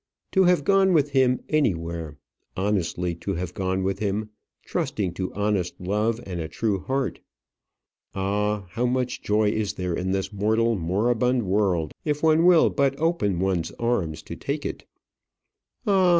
To have gone with him anywhere honestly to have gone with him trusting to honest love and a true heart. Ah! how much joy is there in this mortal, moribund world if one will but open one's arms to take it! Ah!